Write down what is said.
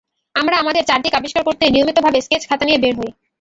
আমরা আমাদের চারদিক আবিষ্কার করতে নিয়মিতভাবে স্কেচ খাতা নিয়ে বের হই।